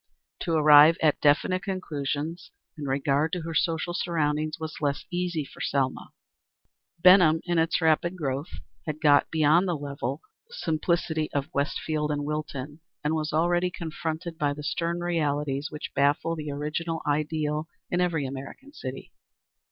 To arrive at definite conclusions in regard to her social surroundings was less easy for Selma. Benham, in its rapid growth, had got beyond the level simplicity of Westfield and Wilton, and was already confronted by the stern realities which baffle the original ideal in every American city.